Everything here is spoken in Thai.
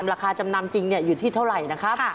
ราคาจำนำจริงอยู่ที่เท่าไหร่นะครับ